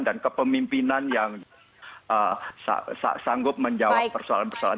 dan kepemimpinan yang sanggup menjawab persoalan